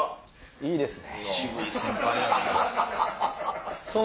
いいですね。